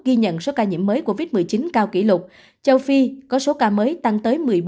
ghi nhận số ca nhiễm mới covid một mươi chín cao kỷ lục châu phi có số ca mới tăng tới một mươi bốn